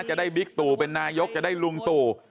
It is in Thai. บิ๊กตู่เป็นนายกจะได้ลุงตู่